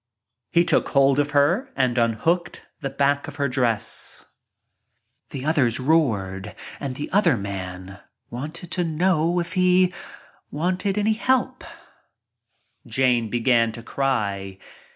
He took hold of her and un hooked the back of her dress. The others roared and the other man wanted to know if "he wanted any help?" Jane began to cry.